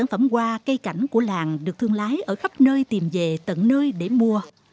hoa cây cảnh của làng được thương lái ở khắp nơi tìm về tận nơi để mua